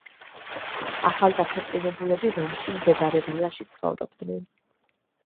ახალდაქორწინებულები რომში მდებარე ვილაში ცხოვრობდნენ.